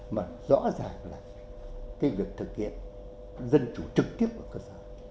mà rõ ràng là cái việc thực hiện dân chủ trực tiếp ở cơ sở